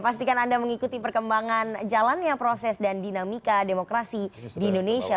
pastikan anda mengikuti perkembangan jalannya proses dan dinamika demokrasi di indonesia